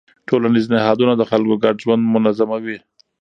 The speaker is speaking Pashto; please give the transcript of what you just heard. ټولنیز نهادونه د خلکو ګډ ژوند منظموي.